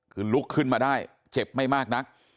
คือลุกขึ้นมาได้เจ็บไม่มากนัก